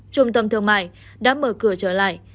trung tâm thương mại đã mở cửa trở lại